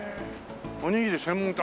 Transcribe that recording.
「おにぎり専門店」。